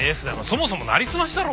そもそもなりすましだろうが！